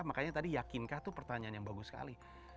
makanya tadi yakinkah itu pertanyaan yang bagus sekali